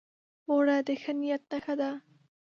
اوړه د ښه نیت نښه ده